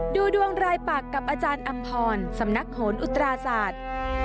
ดูดวงรายปากกับอาจารย์อำพรสำนักโหนอุตราศาสตร์